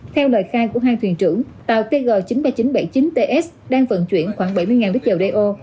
theo lời khai của hai thuyền trưởng tàu tg chín nghìn ba trăm bảy mươi chín ts đang vận chuyển khoảng bảy mươi lít dầu đều